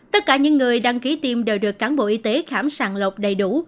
tất cả những người đăng ký tiêm đều được cán bộ y tế khám sàng lọc đầy đủ